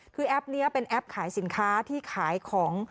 คือแอปนี้เป็นแอปขายสินค้าที่ขายของ